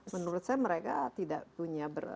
menurut saya mereka tidak punya